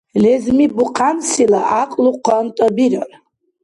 Лезми бухъянсила гӀякьлу къантӀа бирар.